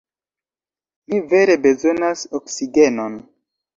Mi vere bezonas oksigenon.